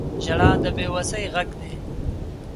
• ژړا د بې وسۍ غږ دی.